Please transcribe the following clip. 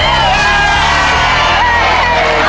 แย่เขาสินะคุณ